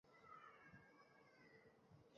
আমি খাদিজার অনেক বন্ধুর সাথে এখনো দেখা করিনি।